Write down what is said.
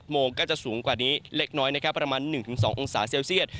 โมงก็จะสูงกว่านี้เล็กน้อยนะครับประมาณ๑๒องศาเซลเซียต